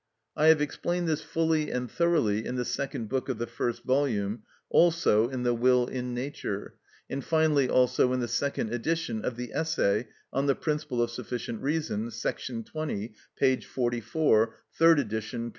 I have explained this fully and thoroughly in the second book of the first volume, also in "The Will in Nature," and finally also in the second edition of the essay on the principle of sufficient reason, § 20, p. 44 (third edition, p.